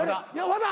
和田？